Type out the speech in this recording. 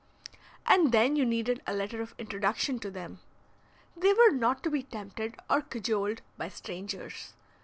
And then you needed a letter of introduction to them. They were not to be tempted or cajoled by strangers.